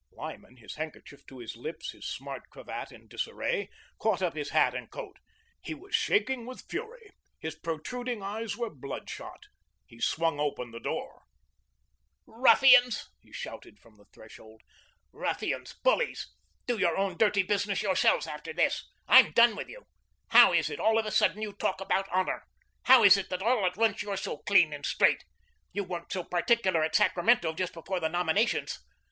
Lyman, his handkerchief to his lips, his smart cravat in disarray, caught up his hat and coat. He was shaking with fury, his protruding eyes were blood shot. He swung open the door. "Ruffians," he shouted from the threshold, "ruffians, bullies. Do your own dirty business yourselves after this. I'm done with you. How is it, all of a sudden you talk about honour? How is it that all at once you're so clean and straight? You weren't so particular at Sacramento just before the nominations.